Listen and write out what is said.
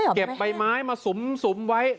ใบไม้มาสุมไว้